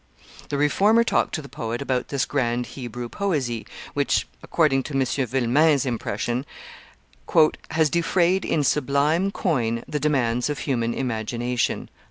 The reformer talked to the poet about this grand Hebrew poesy, which, according to M. Villemain's impression, "has defrayed in sublime coin the demands of human imagination."